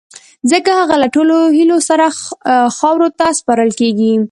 ځڪه هغه له ټولو هیلو سره خاورو ته سپارل کیږی